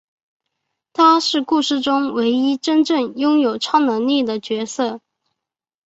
他是故事中唯一真正拥有超能力的角色。